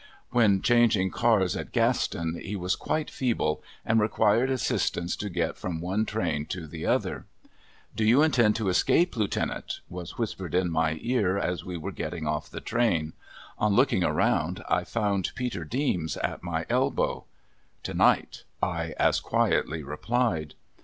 When changing cars at Gaston he was quite feeble, and required assistance to get from one train to the other. "Do you intend to escape, Lieutenant?" was whispered in my ear as we were getting off the train. On looking around I found Peter Deems at my elbow. "To night," I as quietly replied.